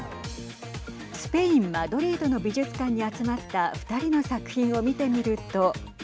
スペインマドリードの美術館に集まった２人の作品を見てみると。